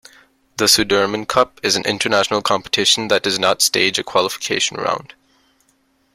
The Sudirman Cup is an international competition that does not stage a qualification round.